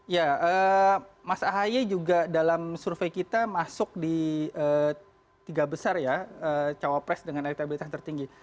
ya mas ahaye juga dalam survei kita masuk di tiga besar ya cawapres dengan elektabilitas tertinggi